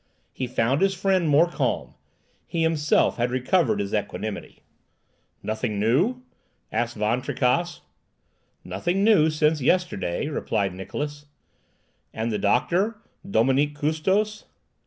He found his friend more calm. He himself had recovered his equanimity. "Nothing new?" asked Van Tricasse. "Nothing new since yesterday," replied Niklausse. "And the doctor, Dominique Custos?"